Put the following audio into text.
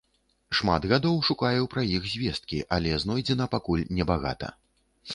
Шмат гадоў шукаю пра іх звесткі, але знойдзена пакуль небагата.